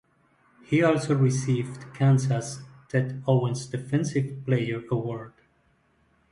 He also received Kansas' Ted Owens Defensive Player Award.